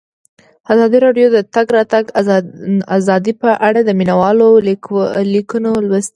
ازادي راډیو د د تګ راتګ ازادي په اړه د مینه والو لیکونه لوستي.